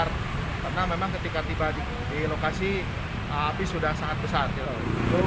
karena memang ketika tiba di lokasi api sudah sangat besar